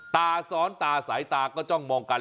ตาซ้อนตาสายตาก็จ้องมองกัน